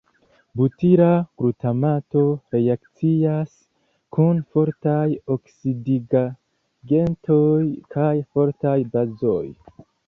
Butila glutamato reakcias kun fortaj oksidigagentoj kaj fortaj bazoj.